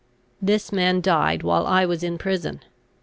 This man died while I was in prison.